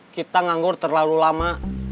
kita nganggur terlalu lama